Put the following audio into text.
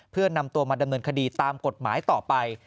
เพื่อนำตัวมาดำเนินคดีตามกฎหมายต่อไป